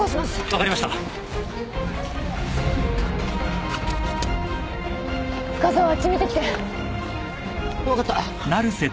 分かった。